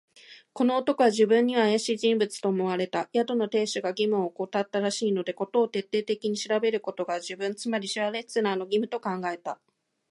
この男は自分にはあやしい人物と思われた。宿の亭主が義務をおこたったらしいので、事を徹底的に調べることが、自分、つまりシュワルツァーの義務と考えた。